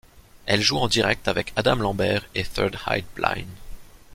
Elle joue en direct avec Adam Lambert et Third Eye Blind.